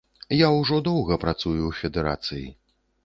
Я ўжо доўга працую ў федэрацыі.